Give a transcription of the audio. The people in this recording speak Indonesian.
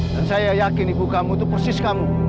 saya yakin ibu kamu itu persis kamu